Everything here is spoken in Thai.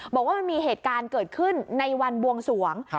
บอกว่ามันมีเหตุการณ์เกิดขึ้นในวันบวงสวง